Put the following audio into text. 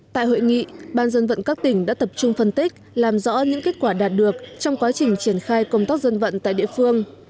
tại hội nghị ban dân vận các tỉnh đã tập trung phân tích làm rõ những kết quả đạt được trong quá trình triển khai công tác dân vận tại địa phương